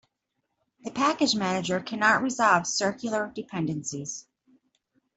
The package manager cannot resolve circular dependencies.